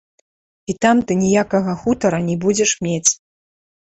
І там ты ніякага хутара не будзеш мець.